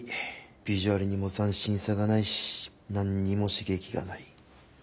ビジュアルにも斬新さがないし何にも刺激がない。